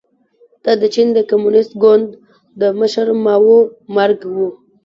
دا د چین د کمونېست ګوند د مشر ماوو مرګ و.